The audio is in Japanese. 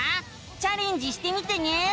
チャレンジしてみてね！